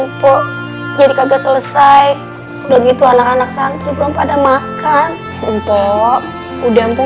mpo jadi kagak selesai begitu anak anak santri berapa ada makan untuk udah mpung